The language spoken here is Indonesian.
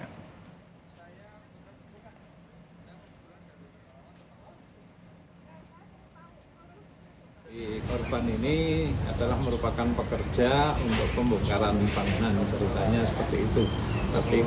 korban ini adalah merupakan pekerja untuk pembongkaran bangunan beritanya seperti itu